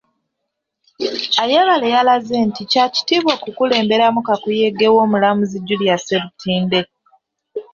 Ayebare yalaze nti kya kitiibwa okukulemberamu kakuyege w'omulamuzi Julia Ssebutinde .